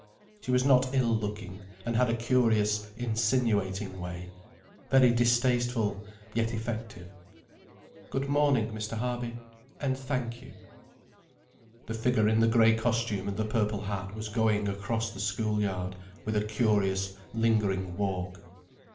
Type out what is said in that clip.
She was not ill looking, and had a curious insinuating way, very distasteful yet effective. "Good morning, Mr. Harby, and thank you." The figure in the grey costume and the purple hat was going across the school yard with a curious lingering walk.